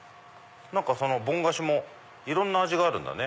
ぼん菓子もいろんな味があるんだね。